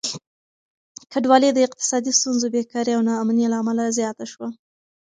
کډوالي د اقتصادي ستونزو، بېکاري او ناامني له امله زياته شوه.